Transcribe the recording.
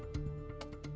silat harimau pasaman